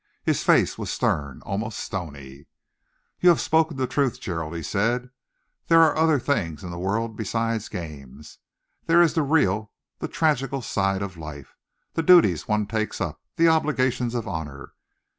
His face was stern, almost stony. "You have spoken the truth, Gerald," he said. "There are other things in the world besides games. There is the real, the tragical side of life, the duties one takes up, the obligations of honour.